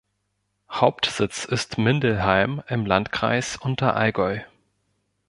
Hauptsitz ist Mindelheim im Landkreis Unterallgäu.